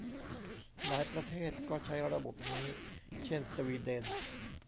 หลายประเทศก็ใช้ระบบนี้ เช่น สวีเดน